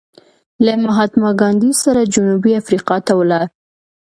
له مهاتما ګاندې سره جنوبي افریقا ته ولاړ.